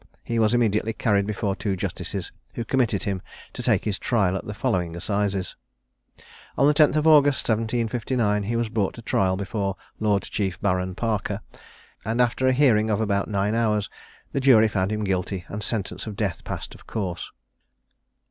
He was immediately carried before two justices, who committed him to take his trial at the following assizes. On the 10th of August 1759, he was brought to trial before Lord Chief Baron Parker; and after a hearing of about nine hours, the jury found him guilty, and sentence of death passed of course.